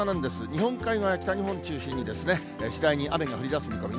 日本海側や北日本を中心に次第に雨が降りだす見込み。